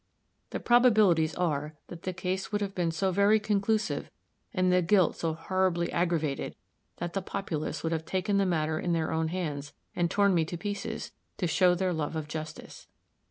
The probabilities are, that the case would have been so very conclusive, and the guilt so horribly aggravated, that the populace would have taken the matter in their own hands, and torn me to pieces, to show their love of justice.